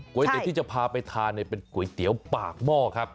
เตี๋ยที่จะพาไปทานเป็นก๋วยเตี๋ยวปากหม้อครับ